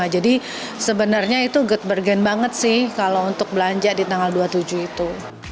jadi sebenarnya itu good bargain banget sih kalau untuk belanja di tanggal dua puluh tujuh itu